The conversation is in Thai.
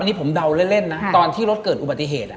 อันนี้ผมเดาเล่นนะตอนที่รถเกิดอุบัติเหตุ